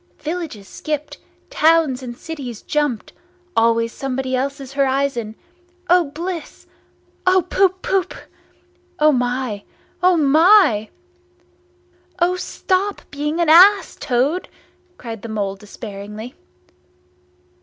Villages skipped, towns and cities jumped—always somebody else's horizon! O bliss! O poop poop! O my! O my!" "O stop being an ass, Toad!" cried the Mole despairingly.